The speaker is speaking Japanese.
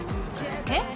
えっ？